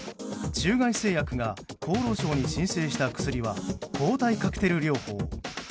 中外製薬が厚労省に申請した薬は抗体カクテル療法。